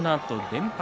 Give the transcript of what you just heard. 連敗。